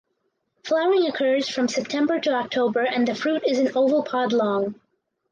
Flowering occurs from September to October and the fruit is an oval pod long.